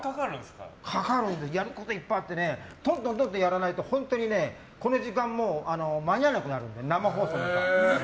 やることがいっぱいあってどんどん、どんどんやらないとこの時間に間に合わなくなるので生放送に。